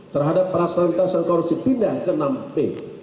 terhadap perasaan korupsi pindah ke enam b